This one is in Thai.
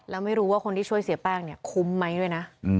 แล้วไม่รู้ว่าคนที่ช่วยเสียแป้งเนี่ยคุ้มไหมด้วยนะ